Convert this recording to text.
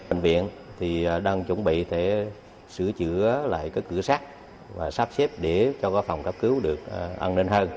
bệnh viện đang chuẩn bị sửa chữa lại cửa sát và sắp xếp để cho phòng cấp cứu được an ninh hơn